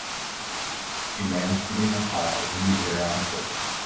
A man sitting up high in the air on a cliff.